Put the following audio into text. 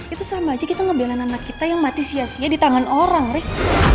itu sama aja kita ngebelain anak kita yang mati sia sia di tangan orang ri